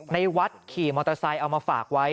ในวัดขี่มอเตอร์ไซค์เอามาฝากไว้